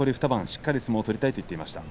しっかり相撲を取りたいと話していました。